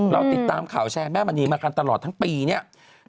เราติดตามข่าวแชร์แม่มณีมากันตลอดทั้งปีเนี่ย